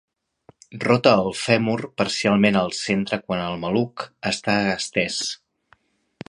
Rota el fèmur parcialment al centre quan el maluc està estès.